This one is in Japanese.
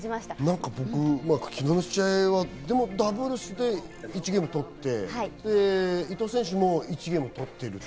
僕、昨日の試合はダブルスで１ゲーム取って、伊藤選手も１ゲーム取ってる。